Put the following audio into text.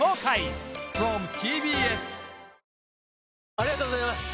ありがとうございます！